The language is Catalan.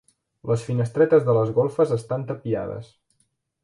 Les finestretes de les golfes estan tapiades.